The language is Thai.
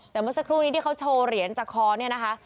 แต่เมื่อสักครู่นี้ที่เขาโชว์เหรียญจากคอเนี่ยนะคะ